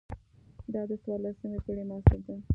دا د څوارلسمې پېړۍ محصول ده.